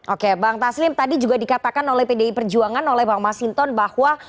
oke bang taslim tadi juga dikatakan oleh pdi perjuangan oleh bang masinton bahwa